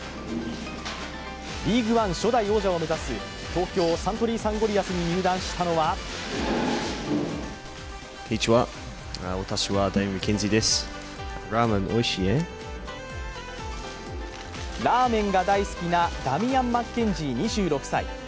ＬＥＡＧＵＥＯＮＥ初代王者を目指す東京サントリーサンゴリアスに入団したのはラーメンが大好きなダミアン・マッケンジー２６歳。